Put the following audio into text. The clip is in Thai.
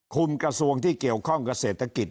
กระทรวงที่เกี่ยวข้องกับเศรษฐกิจ